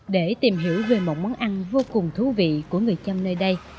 để tìm hiểu về một món ăn vô cùng thú vị của người dân nơi đây